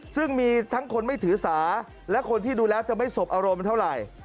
ซึ่งมีทั้งคนไม่ถือสาและคนที่ดูแล้วจะไม่สบอารมณ์เท่าไหร่